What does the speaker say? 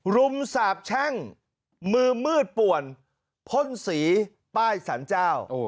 รุมสาบแช่งมือมืดป่วนพ่นสีป้ายสรรเจ้า